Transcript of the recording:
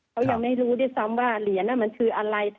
เขายังไม่รู้ที่ซ้ำว่าเหรียญอ่ะมันชื่ออะไร